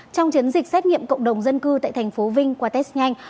trong chiến dịch xét nghiệm cộng đồng dân cư tại thành phố vinh qua test nhanh